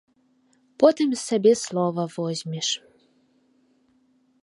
Потым сабе слова возьмеш.